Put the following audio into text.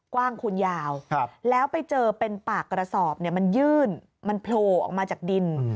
คูณยาวแล้วไปเจอเป็นปากกระสอบมันยื่นมันโผล่ออกมาจากดิน